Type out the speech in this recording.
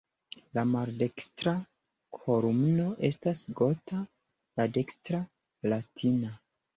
La maldekstra kolumno estas "gota", la dekstra "latina".